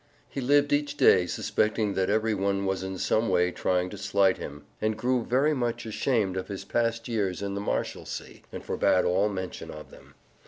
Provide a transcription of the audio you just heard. He lived each day suspecting that every one was in some way trying to slight him and grew very much ashamed of his past years in the Marshalsea, and forbade all mention of them.